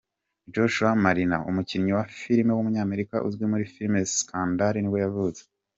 Joshua Malina, umukinnyi wa filime w’umunyamerika uzwi muri filime za Scandal nibwo yavutse.